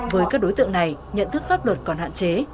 với các đối tượng này nhận thức pháp luật còn hạn chế